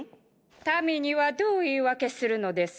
民にはどう言い訳するのです。